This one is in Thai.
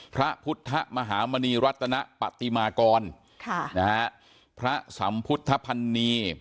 พระพุทธมหามณีรัตนปฏิมากรพระสัมพุทธพันนีย์